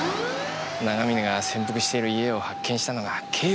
長嶺が潜伏している家を発見したのが警部殿でさ。